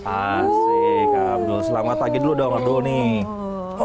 asik abdul selamat pagi dulu dong abdul nih